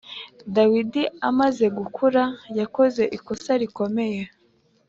Dawidi amaze gukura yakoze ikosa rikomeye